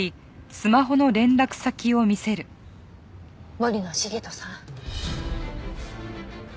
森野重人さん。